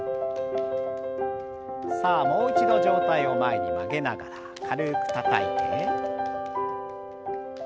さあもう一度上体を前に曲げながら軽くたたいて。